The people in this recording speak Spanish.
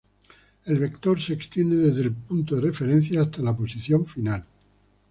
El vector se extiende desde el punto de referencia hasta la posición final.